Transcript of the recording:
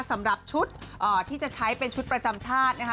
สำหรับชุดที่จะใช้เป็นชุดประจำชาตินะคะ